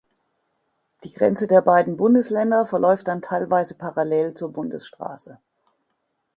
Die Grenze der beiden Bundesländer verläuft dann teilweise parallel zur Bundesstraße.